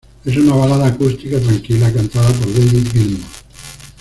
Es una balada acústica tranquila cantada por David Gilmour.